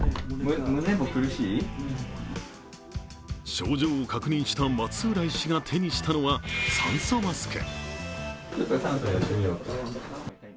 症状を確認した松浦医師が手にしたのは酸素マスク。